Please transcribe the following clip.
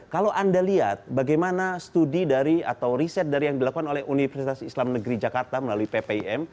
kalau anda lihat bagaimana studi dari atau riset dari yang dilakukan oleh universitas islam negeri jakarta melalui ppim